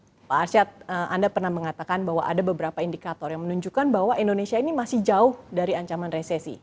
pak arsyad anda pernah mengatakan bahwa ada beberapa indikator yang menunjukkan bahwa indonesia ini masih jauh dari ancaman resesi